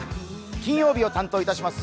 金曜日を担当いたします